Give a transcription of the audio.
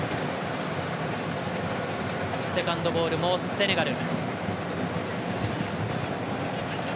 セカンドボールもセネガル。